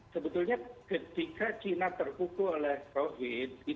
sebetulnya ketika china terpukul oleh covid